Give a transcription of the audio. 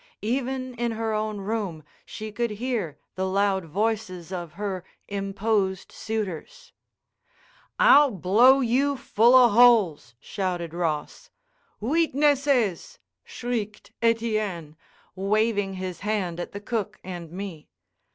Even in her own room she could hear the loud voices of her imposed suitors. "I'll blow you full o' holes!" shouted Ross. "Witnesses," shrieked Etienne, waving his hand at the cook and me.